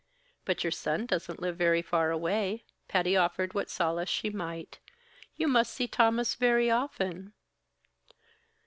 "But your son doesn't live very far away." Patty offered what solace she might. "You must see Thomas very often."